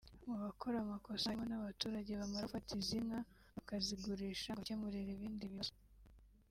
Mu bakora amakosa harimo n’abaturage bamara gufata izi nka bakazigurisha ngo bikemurire ibindi bibazo